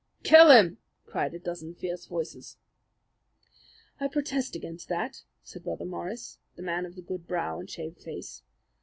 "Kill him!" cried a dozen fierce voices. "I protest against that," said Brother Morris, the man of the good brow and shaved face.